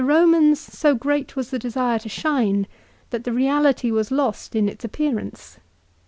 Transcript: But with the Eomans so great was the desire to shine that the reality was lost in its appearance.